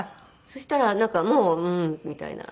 そしたらなんかもう「うん」みたいな。